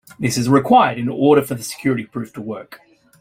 This is required in order for the security proof to work.